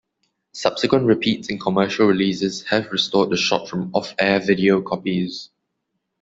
Subsequent repeats and commercial releases have restored the shot from off-air video copies.